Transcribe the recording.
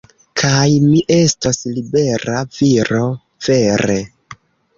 Kaj... mi estos libera viro, vere.